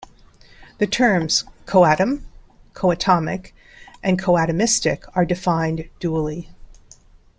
The terms "coatom", "coatomic", and "coatomistic" are defined dually.